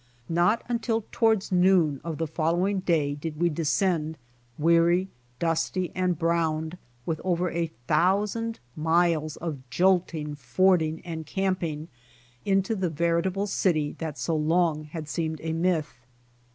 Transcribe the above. Not until towards noon of the following day did we descend, weary, dusty and browned with over a thousand miles of jolting, fording and camping, into the veritable city that so long had seemed a myth.